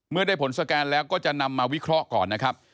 ได้ผลสแกนแล้วก็จะนำมาวิเคราะห์ก่อนนะครับ